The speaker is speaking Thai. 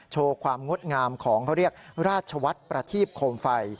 โชว์ความงดงามของเขาเรียกราชวัฒน์ประทีบโคมไฟ